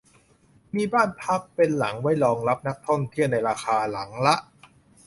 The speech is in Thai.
มีบ้านพักเป็นหลังไว้รองรับนักท่องเที่ยวในราคาหลังละ